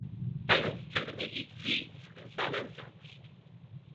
Pheasants typically eat seeds and some insects.